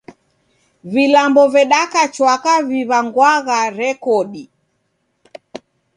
Vilambo vedaka chwaka viw'angwagha rekodi.